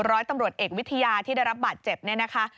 ร้อยตำรวจเอกวิทยาที่ได้รับบาดเจ็บเนี่ยนะคะ